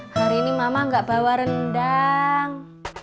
hari ini mama nggak bawa rendang